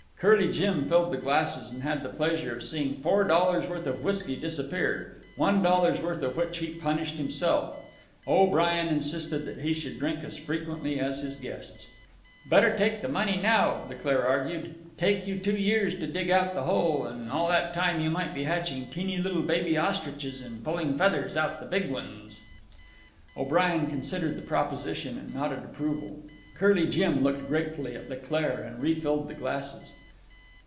Curly Jim filled the glasses and had the pleasure of seeing four dollars' worth of whisky disappear, one dollar's worth of which he punished himself—O'Brien insisted that he should drink as frequently as his guests. "Better take the money now," Leclaire argued. "Take you two years to dig it out the hole, an' all that time you might be hatchin' teeny little baby ostriches an' pulling feathers out the big ones." O'Brien considered the proposition and nodded approval. Curly Jim looked gratefully at Leclaire and refilled the glasses.